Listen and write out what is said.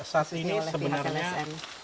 saat ini sebenarnya pemerintahan partitas sudah selesai